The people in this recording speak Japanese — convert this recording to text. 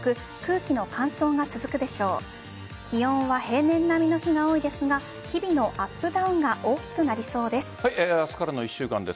気温は平年並みの日が多いですが日々のアップダウンが大きくなりそうです。